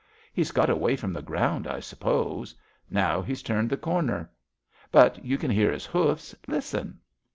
He's got away from the ground, I suppose. Now he's turned the cor ner ; but you can hear his hoofs. Listen